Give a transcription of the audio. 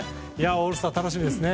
オールスター、楽しみですね。